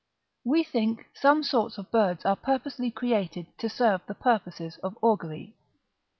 ["We think some sorts of birds are purposely created to serve the purposes of augury."